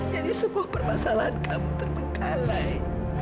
jadi sebuah permasalahan kamu terbengkalai